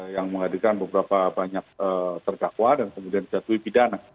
yang menghadirkan beberapa banyak tergakwa dan kemudian jatuhi pidana